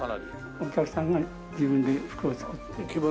お客さんが自分で服を作って。